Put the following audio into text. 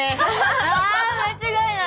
あ間違いない！